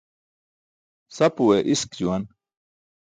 Sapuwe isk juwan.